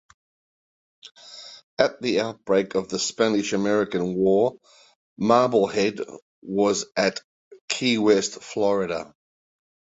At the outbreak of the Spanish-American War, "Marblehead" was at Key West, Florida.